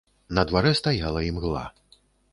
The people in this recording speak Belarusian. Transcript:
На дварэ стаяла імгла.